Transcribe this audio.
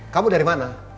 kamu dari mana